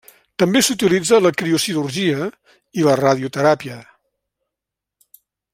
També s'utilitza la criocirurgia i la radioteràpia.